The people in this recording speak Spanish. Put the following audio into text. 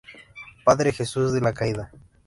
Padre Jesús de la Caída.